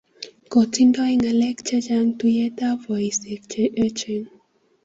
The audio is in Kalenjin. Kotingdoi ng'alek che chang' tuyietab boisiek che echen